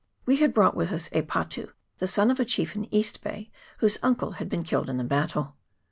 We had brought with us E Patu, the son of a chief in East Bay, whose uncle had been killed in the battle.